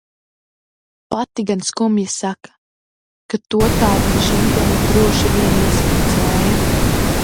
Pati gan skumji saka, ka to tā žīdene droši vien iespricēja.